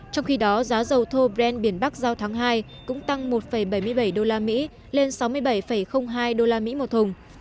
trong khi đó giá dầu thô brand biển bắc giao tháng hai cũng tăng một bảy mươi bảy usd lên sáu mươi bảy hai usd một thùng